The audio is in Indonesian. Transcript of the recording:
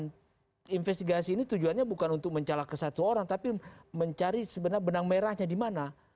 nah investigasi ini tujuannya bukan untuk mencalak ke satu orang tapi mencari sebenarnya benang merahnya di mana